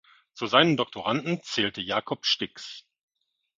Zu seinen Doktoranden zählte Jakob Stix.